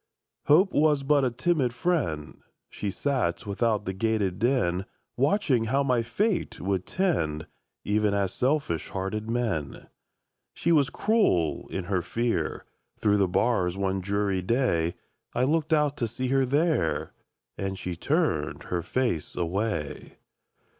Hope Was but a timid friend; She sat without the grated den, Watching how my fate would tend, Even as selfish hearted men. She was cruel in her fear; Through the bars one dreary day, I looked out to see her there, And she turned her face away!